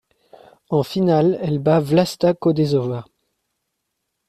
En finale, elle bat Vlasta Kodesova.